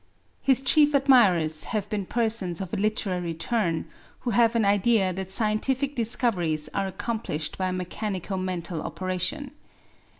"His chief admirers have been persons of a literary turn, who have an idea that scientific discoveries are accomplished by a mechanico mental operation.